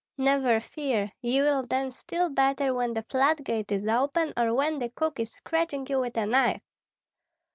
"Never fear, ye will dance still better when the floodgate is open, or when the cook is scratching you with a knife."